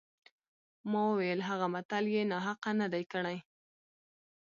ما وویل هغه متل یې ناحقه نه دی کړی.